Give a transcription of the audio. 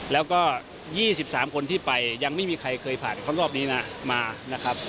แล้วก็๒๓คนที่ไปยังไม่มีใครเคยผ่านความรอบนี้มา